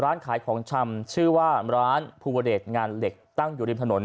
ร้านขายของชำชื่อว่าร้านภูวเดชงานเหล็กตั้งอยู่ริมถนน